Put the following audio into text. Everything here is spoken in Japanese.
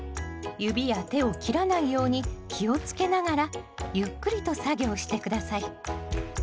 指や手を切らないように気をつけながらゆっくりと作業して下さい。